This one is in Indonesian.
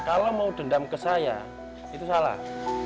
kalau mau dendam ke saya itu salah